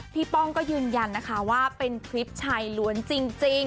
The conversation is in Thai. ป้องก็ยืนยันนะคะว่าเป็นคลิปชายล้วนจริง